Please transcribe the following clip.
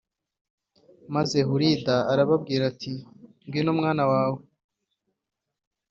maze Hulida arababwira ati ngwino mwana wawe